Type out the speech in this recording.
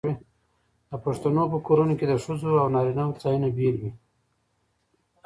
د پښتنو په کورونو کې د ښځو او نارینه وو ځایونه بیل وي.